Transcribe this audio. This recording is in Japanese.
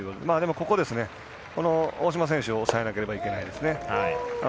ただ、大島選手を抑えなければいけないですね。